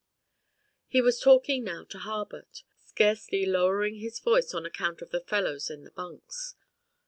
He was talking now to Harbutt, scarcely lowering his voice on account of the fellows in the bunks.